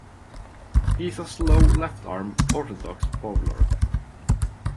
He is a slow left-arm orthodox bowler.